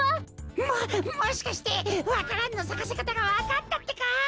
ももしかしてわか蘭のさかせかたがわかったってか！？